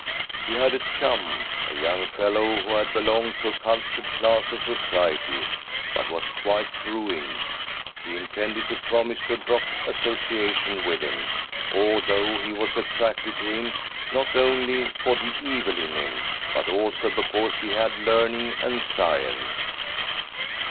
He had a chum, a young fellow who had belonged to a cultured class of society, but was quite ruined. He intended to promise to drop associating with ..'. b*._ r ■ K 124 THY SOUL SHALL BEAR WITNESS 1 ... i A him, although he was attracted to him not only, for the evil in him, but also because he had learning and science.